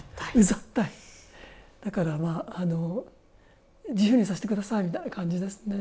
だから、自由にさせてくださいみたいな感じですね。